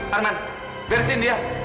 harman beresin dia